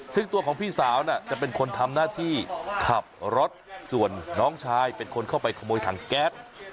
ซึ่งตัวของพี่สาวจะเป็นคนทำหน้าที่ขับรถส่วนน้องชายเป็นคนเข้าไปขโมยถังแก๊ส